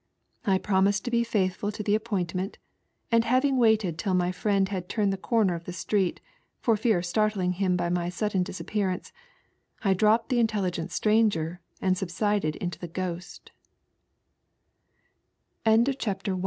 I promised to be faithful to the appointment, and having waited till my friend had turned the corner of the street, for fear of start ling him by my sudden disappearance, I dropped the Intelligent Stranger and subsided into the Ghost.